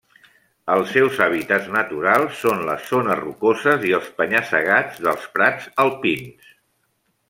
Els seus hàbitats naturals són les zones rocoses i els penya-segats dels prats alpins.